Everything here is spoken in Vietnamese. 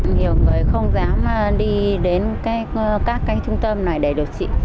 nhiều người không dám đi đến các trung tâm này để điều trị